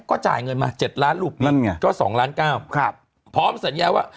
ก็จ่ายเงินมา๗ล้านลูกนี้ก็๒ล้าน๙พร้อมสัญญาว่า